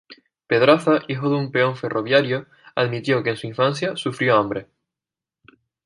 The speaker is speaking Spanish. Pedraza, hijo de un peón ferroviario, admitió que en su infancia sufrió hambre.